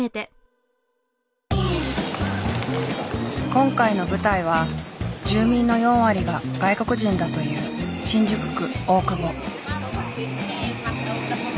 今回の舞台は住民の４割が外国人だという新宿区大久保。